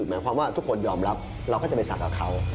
หมายความว่าทุกคนยอมรับเราก็จะไปศักดิ์กับเขา